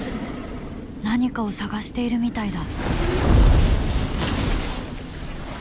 何かを探しているみたいだ。